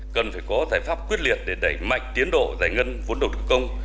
cần phải có giải pháp quyết liệt để đẩy mạnh tiến độ giải ngân vốn đầu tư công